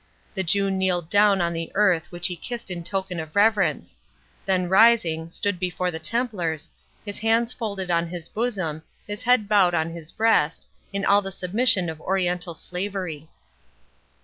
The Jew kneeled down on the earth which he kissed in token of reverence; then rising, stood before the Templars, his hands folded on his bosom, his head bowed on his breast, in all the submission of Oriental slavery.